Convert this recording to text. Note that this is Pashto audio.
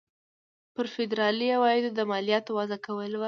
پر فدرالي عوایدو د مالیاتو وضع کول وو.